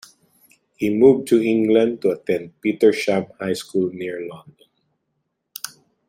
He moved to England to attend Petersham High School near London.